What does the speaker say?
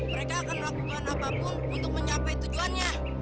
mereka akan melakukan apapun untuk mencapai tujuannya